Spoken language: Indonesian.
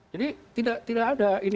jadi tidak ada ini